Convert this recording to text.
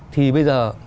thì bây giờ